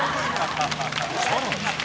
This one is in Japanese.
さらに。